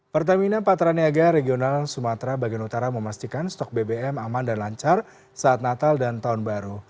pertamina patraniaga regional sumatera bagian utara memastikan stok bbm aman dan lancar saat natal dan tahun baru